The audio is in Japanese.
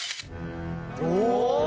お！